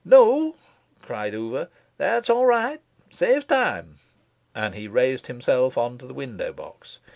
"No," cried Oover. "That's all right. Saves time!" and he raised himself on to the window box.